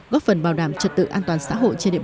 góp phần bảo đảm trật tự an toàn xã hội trên địa bàn